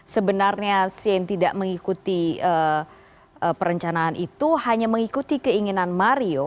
sebenarnya shane tidak mengikuti perencanaan itu hanya mengikuti keinginan mario